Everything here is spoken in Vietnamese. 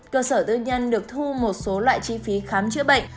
cơ sở tư nhân được thu một số loại chi phí khám chữa bệnh